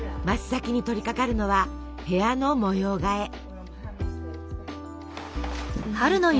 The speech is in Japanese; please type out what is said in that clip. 真っ先に取りかかるのは部屋の模様替え。